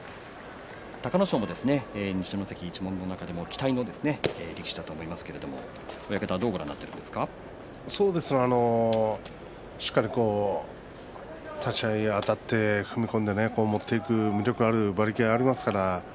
隆の勝は二所ノ関一門の中でも期待の力士だと思いますがしっかり立ち合いあたって踏み込んで持っていく馬力がありますか。